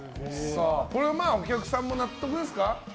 これはお客さんも納得ですか？